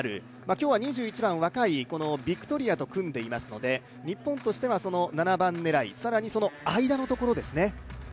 今日は２１番、若いビクトリアと組んでいますので日本としては７番狙い更にその間のところですね。